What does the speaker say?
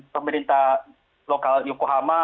pemerintah lokal yokohama